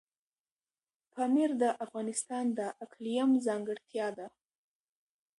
پامیر د افغانستان د اقلیم ځانګړتیا ده.